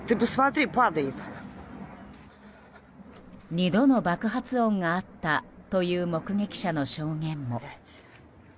２度の爆発音があったという目撃者の証言も。